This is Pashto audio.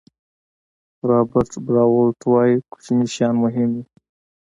رابرټ براولټ وایي کوچني شیان مهم وي.